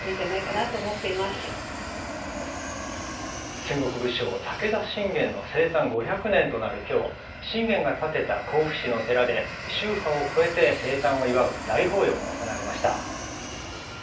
戦国武将、武田信玄の生誕５００年となるきょう、信玄が建てた甲府市の寺で宗派を超えて生誕を祝う大法要が行われました。